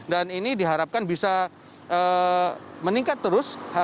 dan ini diharapkan bisa meningkat terus